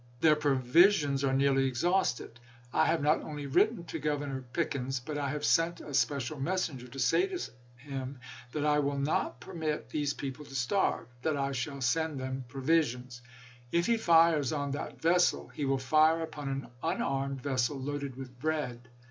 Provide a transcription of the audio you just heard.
Their provisions are nearly exhausted. I have not only written to Governor Pickens, but I have sent a special messenger1 to him to say that I will not permit these people to starve ; that I shall send them provisions. If he fires on that vessel, he will fire upon an unarmed vessel loaded with bread.